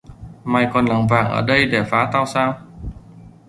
Mày còn lảng vảng ở đây để phá tao sao